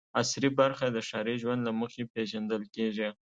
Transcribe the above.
عصري برخه د ښاري ژوند له مخې پېژندل کېږي.